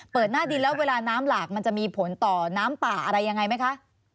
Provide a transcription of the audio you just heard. หน้าดินแล้วเวลาน้ำหลากมันจะมีผลต่อน้ำป่าอะไรยังไงไหมคะ